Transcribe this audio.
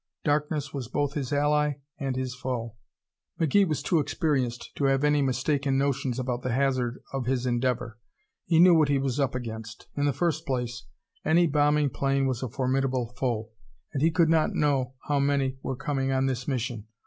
Darkness was both his ally and his foe. McGee was too experienced to have any mistaken notions about the hazard of his endeavor. He knew what he was up against. In the first place, any bombing plane was a formidable foe, and he could not know how many were coming on this mission.